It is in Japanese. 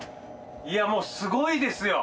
いやもうすごいですよ！